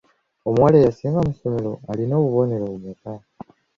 Omuwala eyasinga mu ssomero alina obubonero bumeka?